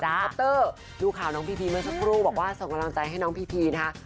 คอปเตอร์ดูข่าวน้องพีพีเมื่อสักครู่บอกว่าส่งกำลังใจให้น้องพีพีนะคะ